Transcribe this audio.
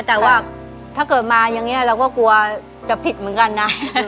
แต่ว่าถ้าเกิดมาอย่างนี้เราก็กลัวจะผิดเหมือนกันนะ